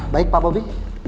baik pak bubi